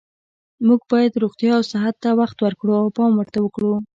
موږ باید روغتیا او صحت ته وخت ورکړو او پام ورته کړو